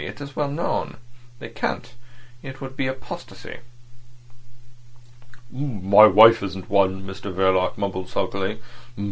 It's well known. They can't. It would be apostasy." "My wife isn't one," Mr Verloc mumbled sulkily.